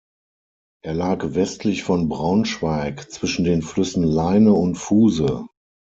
Er lag westlich von Braunschweig, zwischen den Flüssen Leine und Fuhse.